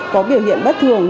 có biểu hiện bất thường